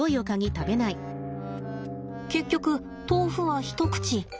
結局豆腐は一口。